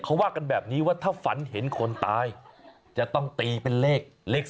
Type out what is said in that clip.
เขาว่ากันแบบนี้ว่าถ้าฝันเห็นคนตายจะต้องตีเป็นเลข๒